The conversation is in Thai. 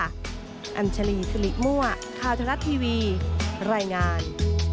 อัญชลีสิริมั่วข่าวทะลัดทีวีรายงาน